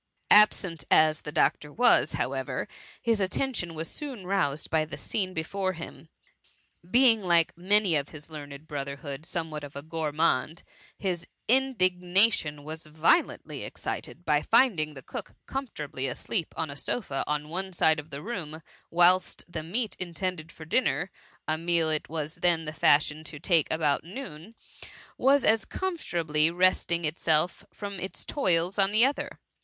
Absent as the doctor was, however, his atteh THE MUMMY. 185 tion was soon roused by the scene before him. Being, like many of his learned brotherhood, somewhat of a gourmand, his indignation was violently excited by finding the cook comfort ably asleep on a sofa on one side of the room ; whilst the meat intended for dinner, a meal it was then the fashion to take about noon, was as comfortably resting itself from its toils on the other.